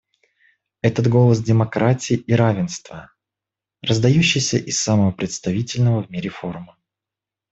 Это голос демократии и равенства, раздающийся из самого представительного в мире форума.